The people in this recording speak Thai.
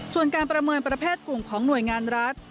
ส่วนการประเมินประเภทกลุ่มของหน่วยงานรัฐ